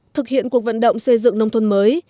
thực hiện cuộc vận động xây dựng nông thôn mới